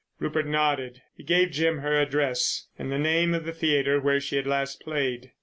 Rupert nodded. He gave Jim her address and the name of the theatre where she had last played.